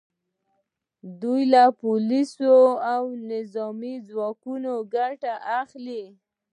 دوی له پولیسو او نظامي ځواکونو ګټه اخلي